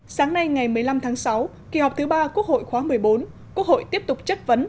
sáng nay ngày một mươi năm tháng sáu kỳ họp thứ ba quốc hội khóa một mươi bốn quốc hội tiếp tục chất vấn